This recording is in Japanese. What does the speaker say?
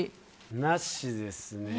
なしですね。